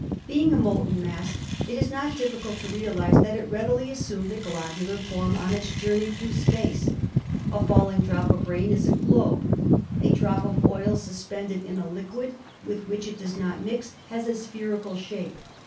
Being a molten mass, it is not difficult to realize that it readily assumed a globular form on its jour ney through space. A falling drop of rain is a globe; a drop of oil suspended in a liquid with which it does not mix has a spherical shape.